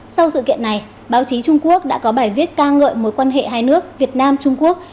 sau sự kiện này báo chí trung quốc đã có bài viết ca ngợi mối quan hệ hai nước việt nam trung quốc